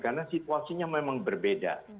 karena situasinya memang berbeda